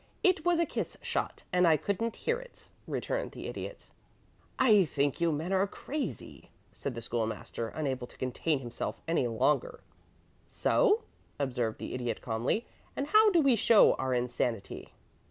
"It was a kiss shot, and I couldn't hear it," returned the Idiot. "I think you men are crazy," said the School master, unable to contain himself any longer. "So?" observed the Idiot, calmly. "And how do we show our insanity?"